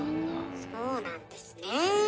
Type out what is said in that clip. そうなんですね。